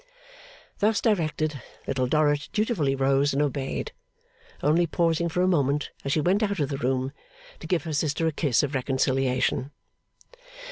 Thus directed, Little Dorrit dutifully rose and obeyed: only pausing for a moment as she went out of the room, to give her sister a kiss of reconciliation.